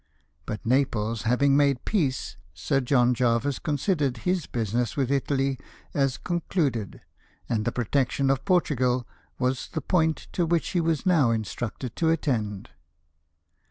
But Naples having made peace, Sir John Jervis considered his business with Italy as con cluded, and the protection of Portugal was the point to which he was now instructed to attend.